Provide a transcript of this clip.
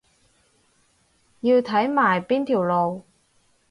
要睇埋邊條路